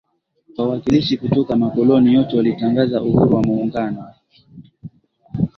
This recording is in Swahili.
wawakilishi kutoka makoloni yote walitangaza uhuru wa Muungano